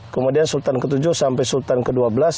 kemudian sultan ke tujuh sampai sultan ke dua belas